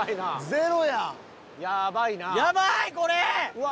うわ！